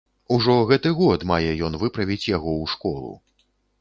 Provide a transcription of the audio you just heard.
Ужо гэты год мае ён выправіць яго ў школу.